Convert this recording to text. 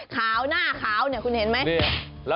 ขาวหน้าขาวเนี่ยเห็นมั้ย